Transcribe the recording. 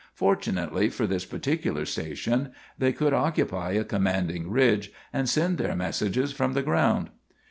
Fortunately for this particular station, they could occupy a commanding ridge and send their messages from the ground.